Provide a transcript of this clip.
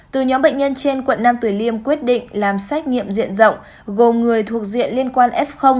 từ nhóm bệnh nhân trên quận nam tử liêm quyết định làm xét nghiệm diện rộng gồm người thuộc diện liên quan f